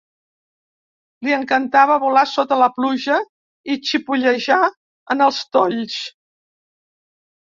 Li encantava volar sota la pluja i xipollejar en els tolls.